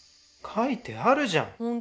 書いてあるじゃん！